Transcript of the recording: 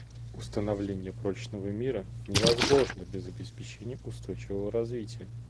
Установление прочного мира невозможно без обеспечения устойчивого развития.